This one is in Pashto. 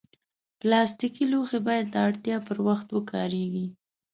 پلاستيکي لوښي باید د اړتیا پر وخت وکارېږي.